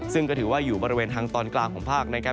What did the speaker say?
ซึ่งก็ถือว่าอยู่บริเวณทางตอนกลางของภาคนะครับ